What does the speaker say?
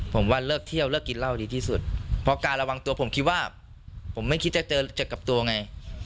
ผมว่าเลิกเที่ยวเลิกกินเหล้าดีที่สุดเพราะการระวังตัวผมคิดว่าผมไม่คิดจะเจอกับตัวไง